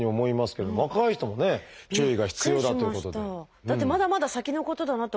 だってまだまだ先のことだなと思ってたんですけど